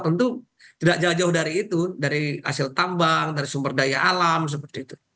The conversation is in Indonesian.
tentu tidak jauh jauh dari itu dari hasil tambang dari sumber daya alam seperti itu